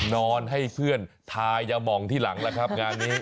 นอนให้เพื่อนทายามองที่หลังแล้วครับงานนี้